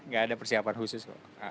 tidak ada persiapan khusus